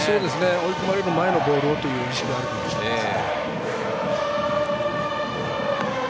追い込まれる前のボールをという意識はあると思います。